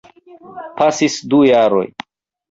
Pasis du jaroj.